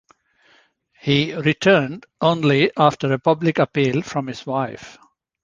He returned only after a public appeal from his wife.